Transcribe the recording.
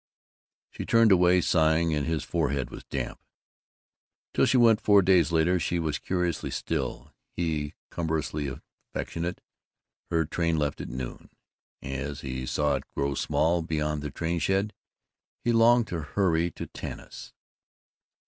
She turned away, sighing, and his forehead was damp. Till she went, four days later, she was curiously still, he cumbrously affectionate. Her train left at noon. As he saw it grow small beyond the train shed he longed to hurry to Tanis.